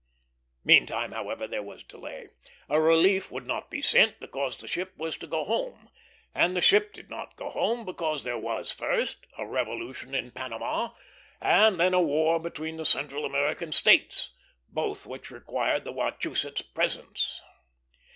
Meantime, however, there was delay. A relief would not be sent, because the ship was to go home; and the ship did not go home because there was, first, a revolution in Panama, and then a war between the Central American states, both which required the Wachusett's presence.